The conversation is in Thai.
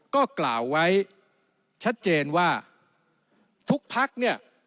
ก็กล่าวไว้ชัดเจนว่าทุกพักเนี่ย